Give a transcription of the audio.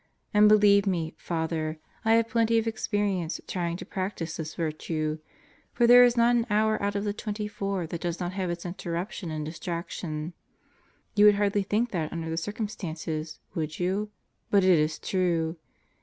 And believe me, Father, I have plenty of experience trying to practice this virtue; for there is not an hour out of the 24 that does not have its interruption and distraction. You would hardly think that under the circumstances, would you? But is is true.